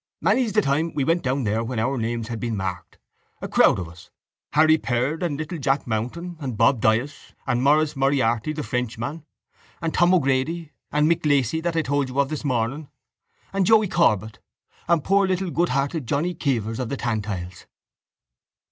Many's the time we went down there when our names had been marked, a crowd of us, Harry Peard and little Jack Mountain and Bob Dyas and Maurice Moriarty, the Frenchman, and Tom O'Grady and Mick Lacy that I told you of this morning and Joey Corbet and poor little goodhearted Johnny Keevers of the Tantiles.